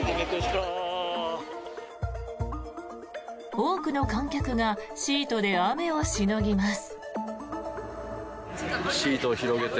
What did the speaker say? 多くの観客がシートで雨をしのぎます。